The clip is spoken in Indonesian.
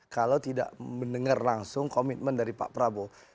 kalau tidak mendengar langsung komitmen dari pak prabowo